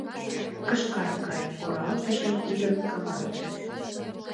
Кышкар гай оралтыже, идым каванже